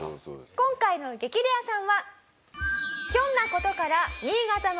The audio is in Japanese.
今回の激レアさんは。